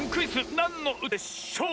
「なんのうたでしょう」